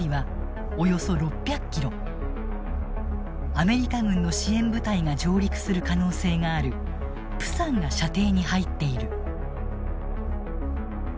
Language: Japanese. アメリカ軍の支援部隊が上陸する可能性がある釜山が射程に入っている。